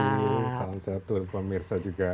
salam sehat tuan pemirsa juga